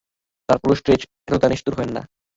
তারপরও স্ট্রেঞ্জ, এতটা নিষ্ঠুর হয়েন না।